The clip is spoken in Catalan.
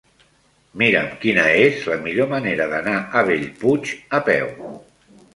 Mira'm quina és la millor manera d'anar a Bellpuig a peu.